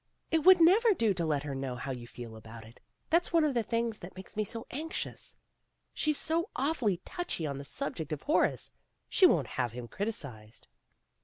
"It would never do to let her know how you feel about it. That's one of the things that make me so anxious she's so awfully touchy on the subject of Horace. She won't have him criticized.